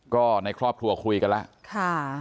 ก็ในครอบครัวคุยกันแล้ว